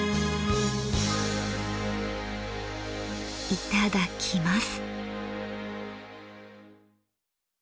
いただきます。